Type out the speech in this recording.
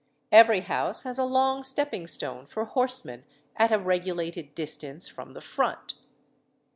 Every house has a long stepping stone for horsemen at a regulated distance from the front.